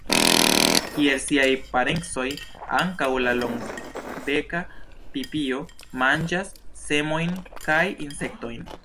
Kiel siaj parencoj, ankaŭ la Longbeka pipio manĝas semojn kaj insektojn.